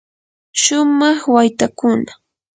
shumaq waytakuna.